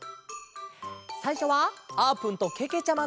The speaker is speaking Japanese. さいしょはあーぷんとけけちゃまのえ。